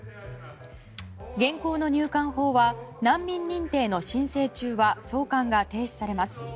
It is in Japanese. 現行の入管法は難民認定の申請中は送還が停止されます。